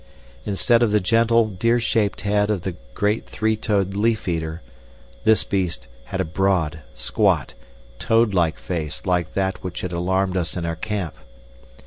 Instead of the gentle, deer shaped head of the great three toed leaf eater, this beast had a broad, squat, toad like face like that which had alarmed us in our camp.